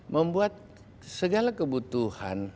membuat segala kebutuhan